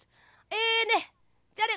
「えねえじゃあね